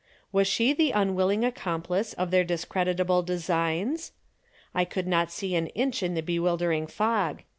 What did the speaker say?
Was she the unwilling accomplice of their discreditable designs? I could not see an inch in the bewildering fog.